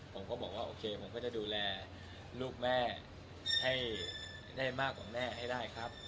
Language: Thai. ผมก็บอกว่าโอเคผมก็จะดูแลลูกแม่ให้ได้มากกว่าแม่ให้ได้ครับ